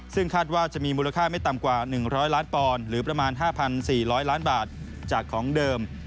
ซึ่งคาดว่าจะมีมูลค่าไม่ต่ำกว่า๑๐๐ล้านปอนด์หรือประมาณ๕๔๐๐ล้านบาทจากของเดิม